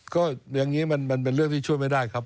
ก็อย่างนี้มันเป็นเรื่องที่ช่วยไม่ได้ครับ